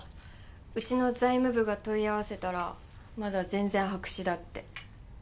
うちの財務部が問い合わせたらまだ全然白紙だって。